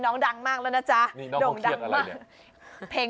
น้องดังมากแล้วนะจ้ะนี่น้องพ่อเครียดอะไรเนี้ยเพลง